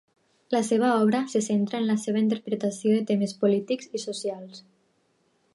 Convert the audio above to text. La seva obra se centra en la seva interpretació de temes polítics i socials.